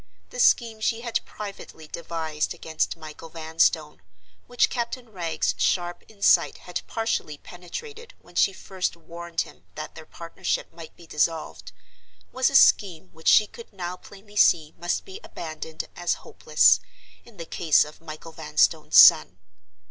The scheme she had privately devised against Michael Vanstone—which Captain Wragge's sharp insight had partially penetrated when she first warned him that their partnership must be dissolved—was a scheme which she could now plainly see must be abandoned as hopeless, in the case of Michael Vanstone's son.